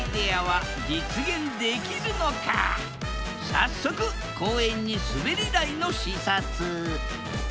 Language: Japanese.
早速公園にすべり台の視察。